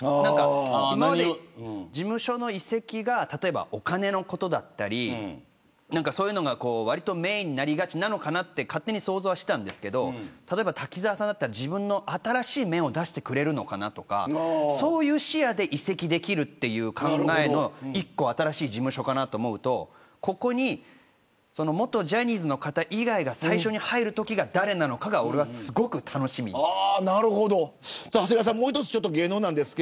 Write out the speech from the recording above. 今までは事務所の移籍がお金のことだったりそれがわりとメーンになりがちなのかと勝手に想像してましたけど滝沢さんだったら自分の新しい面を出してくれるのかなとかそういう視野で移籍できる考えの新しい事務所かなと思うとここに元ジャニーズの方以外が最初に入るのが誰なのかが長谷川さんもう一つ芸能です。